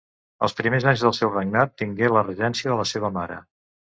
Els primers anys del seu regnat tingué la regència de la seva mare.